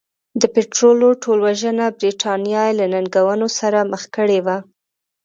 د پیټرلو ټولوژنه برېټانیا یې له ننګونو سره مخ کړې وه.